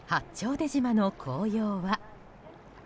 出島の紅葉は。